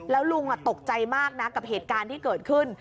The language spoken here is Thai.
แล้วลุงตกใจมากนะกับเหตุการณ์ที่เกิดขึ้น